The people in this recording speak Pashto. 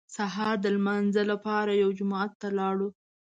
سهار د لمانځه لپاره یو جومات ته لاړو.